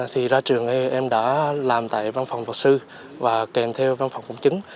thì ra trường em đã làm tại văn phòng luật sư và kèm theo văn phòng công chứng